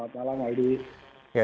selamat malam aidi